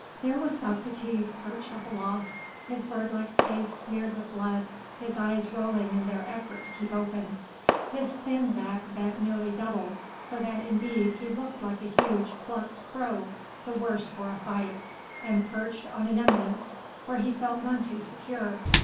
There was Socrates perched up aloft, his bird like face smeared with blood, his eyes rolling in their effort to keep open, his thin back bent nearly double so that indeed he looked like a huge plucked crow the worse for a fight, and perched on an eminence where he felt none too secure.